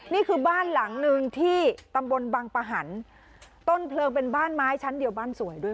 นี่คือบ้านหลังหนึ่งที่ตำบลบังปะหันต้นเพลิงเป็นบ้านไม้ชั้นเดียวบ้านสวยด้วย